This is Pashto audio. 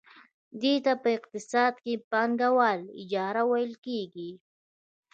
دې ته په اقتصاد کې پانګواله اجاره ویل کېږي